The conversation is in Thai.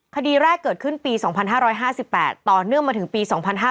คดีแรกเกิดขึ้นปี๒๕๕๘ต่อเนื่องมาถึงปี๒๕๕๙